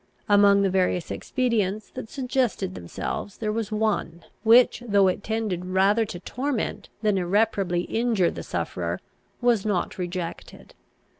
Among the various expedients that suggested themselves, there was one, which, though it tended rather to torment than irreparably injure the sufferer, was not rejected.